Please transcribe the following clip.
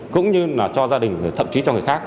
cũng như là cho gia đình thậm chí cho người khác